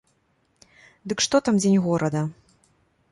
Дык што там дзень горада.